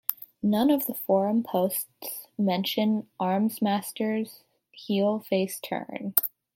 None of the forum posts mention Armsmaster’s heel-face turn.